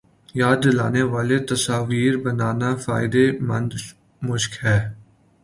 یاد دلانے والی تصاویر بنانا فائدے مند مشق ہے